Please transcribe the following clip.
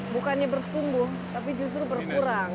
bukannya bertumbuh tapi justru berkurang